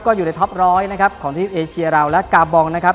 ก็อยู่ในท็อปร้อยนะครับของทีมเอเชียเราและกาบองนะครับ